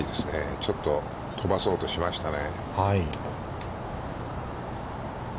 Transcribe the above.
ちょっと飛ばそうとしましたね。